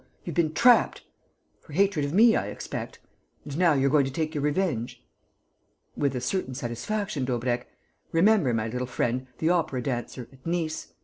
You've been trapped! For hatred of me, I expect? And now you're going to take your revenge?" "With a certain satisfaction, Daubrecq. Remember my little friend, the opera dancer, at Nice....